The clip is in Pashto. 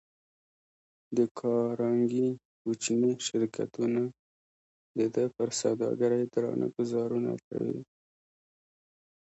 د کارنګي کوچني شرکتونه د ده پر سوداګرۍ درانه ګوزارونه کوي.